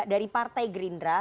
dari partai gerindra